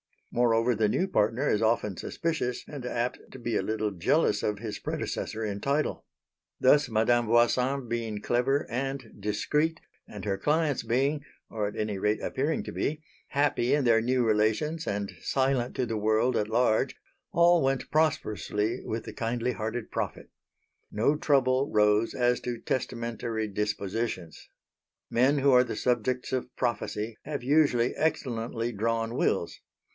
Moreover the new partner is often suspicious and apt to be a little jealous of his predecessor in title. Thus, Madame Voisin being clever and discreet, and her clients being or at any rate appearing to be happy in their new relations and silent to the world at large, all went prosperously with the kindly hearted prophet. No trouble rose as to testamentary dispositions. Men who are the subjects of prophecy have usually excellently drawn wills.